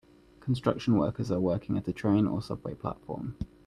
Construction workers are working at a train or subway platform.